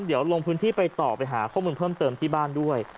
เดี๋ยวลงพื้นที่ไปต่อไปหาข้อมูลเพิ่มเติมที่บ้านด้วย